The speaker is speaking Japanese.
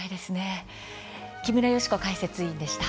木村祥子解説委員でした。